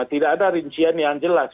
tidak ada rincian yang jelas